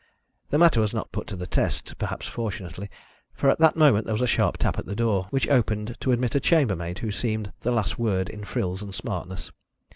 The matter was not put to the test perhaps fortunately for at that moment there was a sharp tap at the door, which opened to admit a chambermaid who seemed the last word in frills and smartness.